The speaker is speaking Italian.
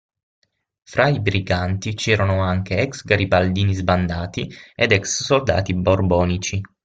Fra i briganti c'erano anche ex garibaldini sbandati ed ex soldati borbonici.